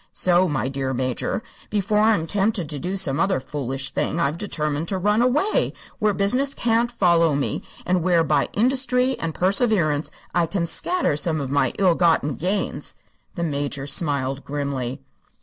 So, my dear Major, before I'm tempted to do some other foolish thing I've determined to run away, where business can't follow me, and where by industry and perseverance I can scatter some of my ill gotten gains." The Major smiled grimly.